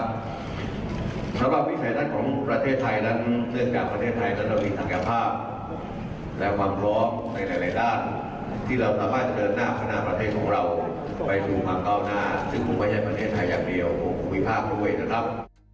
ผมคุณพิพากษ์รู้ด้วยนะครับ